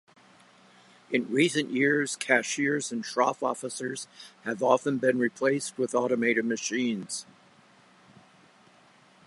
In recent years, cashiers and shroff officers have often been replaced with automated machines.